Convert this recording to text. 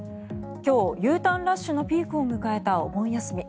今日、Ｕターンラッシュのピークを迎えたお盆休み。